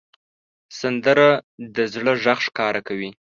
سندره د زړه غږ ښکاره کوي